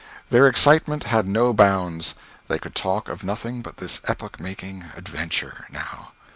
Their excitement had no bounds. They could talk of nothing but this epoch making adventure, now.